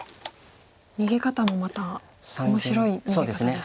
逃げ方もまた面白い逃げ方ですね。